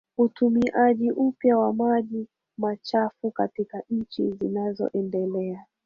Utumiajia upya wa maji machafukatika nchi zinazoendelea